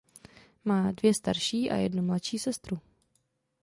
Má dvě starší a jednu mladší sestru.